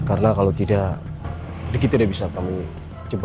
karena kalau tidak ricky tidak bisa kami cipta